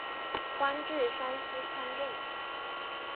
官至山西参政。